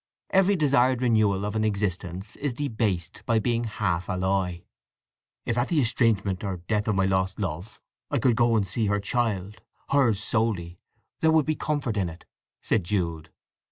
Every desired renewal of an existence is debased by being half alloy. "If at the estrangement or death of my lost love, I could go and see her child—hers solely—there would be comfort in it!" said Jude.